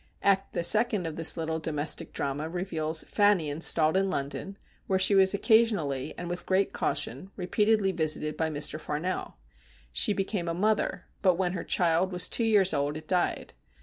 Act the second of this little domestic drama reveals Fanny installed in London, where she was occasionally, and with great caution, repeatedly visited by Mr. Farnell. She became a mother, but when her child was two years old it died.